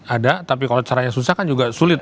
ada tapi kalau caranya susah kan juga sulit